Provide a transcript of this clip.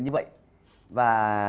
như vậy và